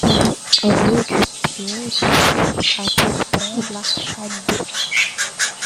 Rue du Pied de Fourche à Bourbon-l'Archambault